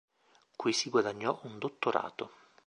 Qui si guadagnò un dottorato.